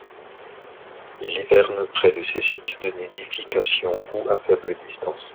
Il hiverne près de ces sites de nidification ou à faible distance.